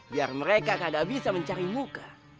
biar mereka tidak bisa mencari muka